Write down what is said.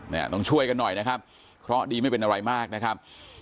ต้องช่วยกันหน่อยนะครับเคราะห์ดีไม่เป็นอะไรมากนะครับ